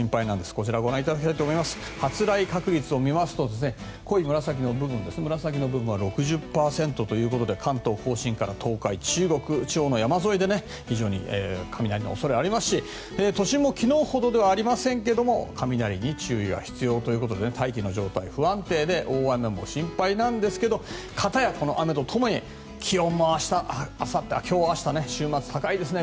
こちらの発雷確率を見ますと濃い紫の部分が６０％ということで関東・甲信から東海、中国地方の山沿いで非常に雷の恐れがありますし都心も昨日ほどではありませんけれども雷に注意が必要ということで大気の状態が不安定で大雨も心配ですが片やこの雨と共に気温も今日明日週末高いですね。